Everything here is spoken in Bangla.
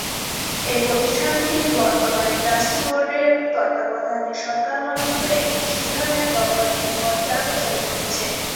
এই প্রতিষ্ঠানটি বর্তমানে ট্রাস্টি বোর্ডের তত্ত্বাবধানে সরকার মনোনীত একটি বিশেষ ধরনের গভর্নিং বডি দ্বারা পরিচালিত হচ্ছে।